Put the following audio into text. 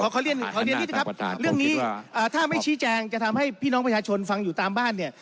ขอเรียนนิดนะครับเรื่องนี้ถ้าไม่ชี้แจงจะทำให้พี่น้องประชาชนฟังอยู่ตามบ้านเนี่ย